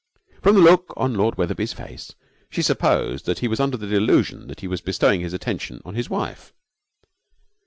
From the look on Lord Wetherby's face she supposed that he was under the delusion that he was bestowing this attention on his wife.